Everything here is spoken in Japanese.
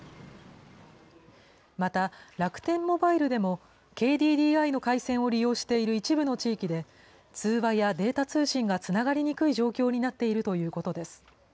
また、楽天モバイルでもＫＤＤＩの回線を利用している一部の地域で、通話やデータ通信がつながりにくい状況になっているということです。